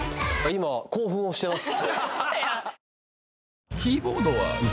今興奮をしてます